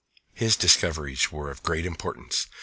His discoveries were of great importance.